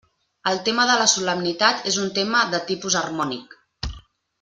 El tema de la solemnitat és un tema de tipus harmònic.